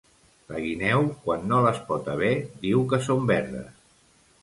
La guineu, quan no les pot haver, diu que són verdes.